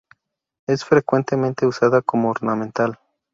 Es frecuentemente usada como ornamental.